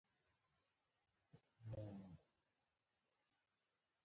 سړی ورته له ډېره هیبته ګوته په غاښ پاتې کېږي